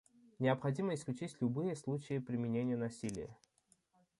Необходимо исключить любые случаи применения насилия.